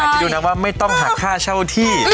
จะดูนะว่าไม่ต้องหักค่าเช่าที่